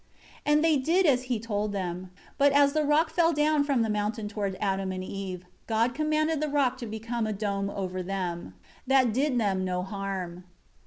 7 And they did as he told them. But as the rock fell down from the mountain toward Adam and Eve, God commanded the rock to become a dome over them*, that did them no harm.